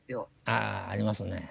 ああありますね。